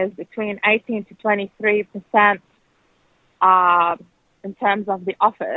dalam hal menawarkan harga hidup